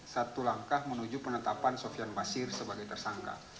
satu langkah menuju penetapan sofian basir sebagai tersangka